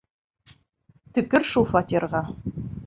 Төкөр шул фатирға!